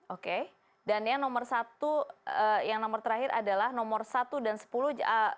oke dan yang nomor satu yang nomor terakhir adalah nomor satu dan sepuluh